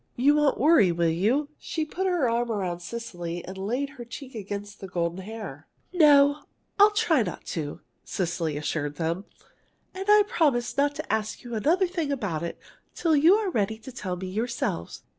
You won't worry, will you?" She put her arm around Cecily and laid her cheek against the golden hair. "No, I'll try not to," Cecily assured them, "and I'll promise not to ask you another thing about it till you're ready to tell me yourselves."